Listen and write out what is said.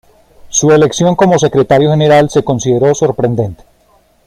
Su elección como Secretario General se consideró sorprendente.